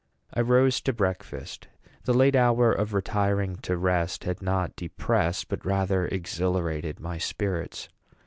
I rose to breakfast. The late hour of retiring to rest had not depressed, but rather exhilarated, my spirits.